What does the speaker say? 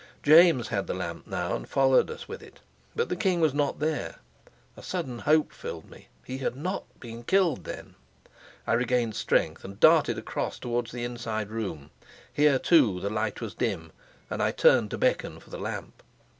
James had the lamp now, and followed us with it. But the king was not there. A sudden hope filled me. He had not been killed then! I regained strength, and darted across towards the inside room. Here too the light was dim, and I turned to beckon for the lamp.